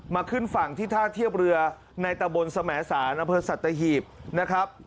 มาขึ้นฝั่งที่ท่าเทียบเรือในตะบนสมัยศาลนพฤษัตริยีบนะครับ